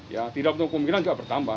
ya tidak berpenggilan juga bertambah